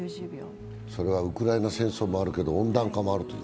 それはウクライナ戦争もあるけど温暖化もあるという。